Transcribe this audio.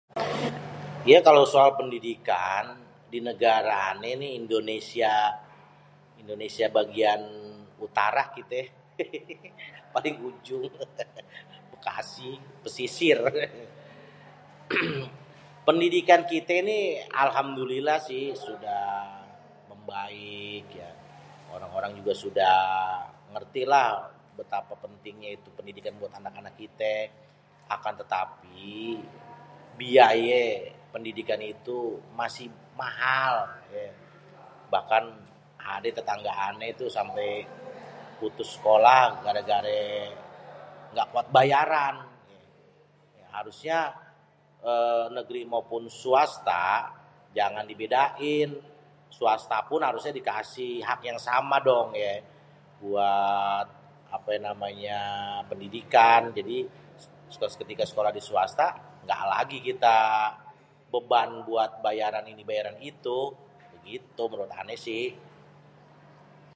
Ya kalo soal pendidikan di negara ané nih Indonesia, Indonesia bagian utara gitu yé hééé.... paling ujung Bekasi pesisir, pendidikan kité nih alhamdulillah si sudah membaik ya orang-orang juga sudah ngertilah betapa itu pentingnya pendidikan buat anak kité, akan tetapi biayé pendidikan itu masih mahal yè bahkan adé tetanggé ané itu sampé putus sekolah garé-garé engga kuat bayaran. harusnya... nêgêri maupun swasta jangan dibedain, swastapun harusnya dikasi hak yang sama dong yééé, buat apé namanyééé.. pendidikan jadi suatu ketika sekolah diswasta engga lagi kita beban buat bayaran ini bayaran itu, begitu menurut ané si.